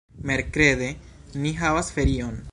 Merkrede ni havas ferion.